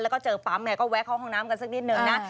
แล้วก็เจอปั๊มไงก็แวะเข้าห้องน้ำกันสักนิดนึงนะ